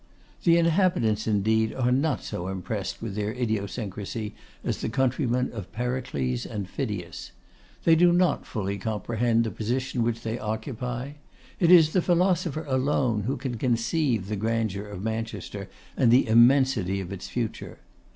The inhabitants, indeed, are not so impressed with their idiosyncrasy as the countrymen of Pericles and Phidias. They do not fully comprehend the position which they occupy. It is the philosopher alone who can conceive the grandeur of Manchester, and the immensity of its future.